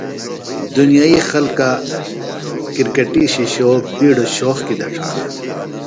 دُنیئی خلکہ کرکٹی شِشو بِیڈیۡ شوق کیۡ دڇھانہ۔